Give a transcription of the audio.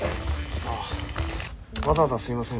ああわざわざすいません。